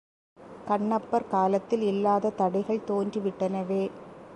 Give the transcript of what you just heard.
கண்ணப்பர் காலத்தில் இல்லாத தடைகள் தோன்றிவிட்டனவே!